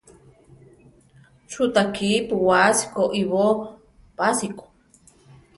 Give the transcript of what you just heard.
Chú ta kípu wási koʼibóo pásiko?